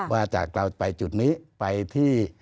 ว่าจากเราไปจุดนี้ไปที่